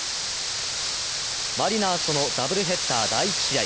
マリナーズとのダブルヘッダー第１試合。